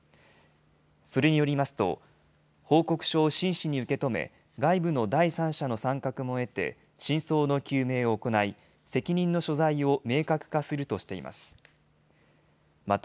それによりますと報告書を真摯に受け止め外部の第三者の参画も得て真相の究明を行い責任の所在を明確化するとしています。